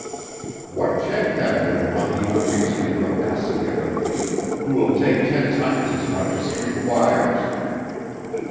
"What check have you upon the unreasoning rapacity of a thief, who will take ten times as much as he requires?"